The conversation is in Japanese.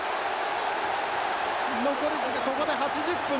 残り時間ここで８０分。